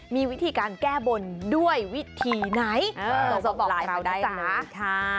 มีวิธีการแก้บนด้วยวิธีไหนเออส่งบอกเราได้เลยค่ะ